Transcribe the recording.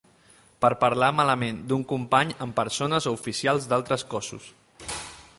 Per parlar malament d'un company amb persones o oficials d'altres cossos.